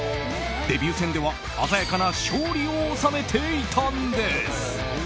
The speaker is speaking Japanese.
デビュー戦では鮮やかな勝利を収めていたんです。